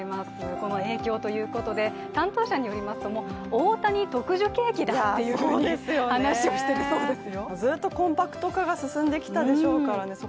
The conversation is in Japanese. この影響ということで担当者によりますと大谷特需景気だという話をしているそうですよ。